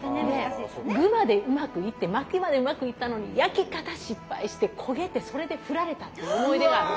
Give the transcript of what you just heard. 具までうまくいって巻きまでうまくいったのに焼き方失敗して焦げてそれで振られたっていう思い出があるの。